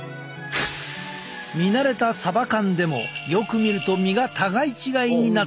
見慣れたサバ缶でもよく見ると身が互い違いになっている。